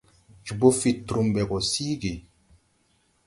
Jobo fid trum ɓɛ gɔ síigì.